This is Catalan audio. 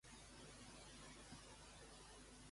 Per aquest motiu, com se li havia de rendir culte?